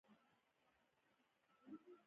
موږ نه پوهېږو چې زر کاله وروسته به څه وي.